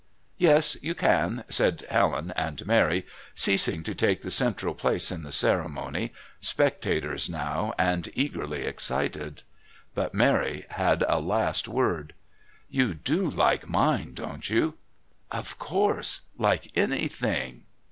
"Yes, you can," said Helen and Mary, ceasing to take the central place in the ceremony, spectators now and eagerly excited. But Mary had a last word. "You do like mine, don't you?" "Of course, like anything."